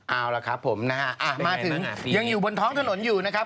เอาล่ะครับผมนะฮะมาถึงยังอยู่บนท้องถนนอยู่นะครับ